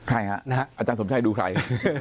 ใครครับอาจารย์สมชัยดูใคร